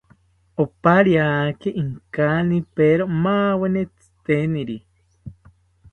Opariaki inkanipero maaweni tziteniri